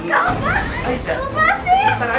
aisyah siapa rakyat